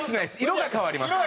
色が変わります。